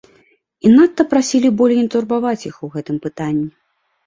І надта прасілі болей не турбаваць іх у гэтым пытанні.